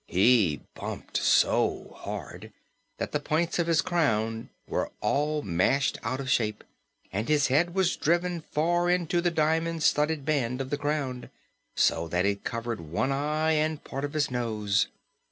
He bumped so hard that the points of his crown were all mashed out of shape and his head was driven far into the diamond studded band of the crown, so that it covered one eye and a part of his nose.